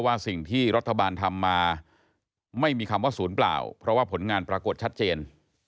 ว่าสิ่งที่รัฐบาลทำมาไม่มีคำว่าศูนย์เปล่าเพราะว่าผลงานปรากฏชัดเจน